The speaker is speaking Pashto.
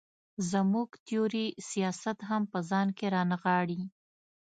زموږ تیوري سیاست هم په ځان کې را نغاړي.